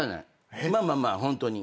まあまあまあホントに。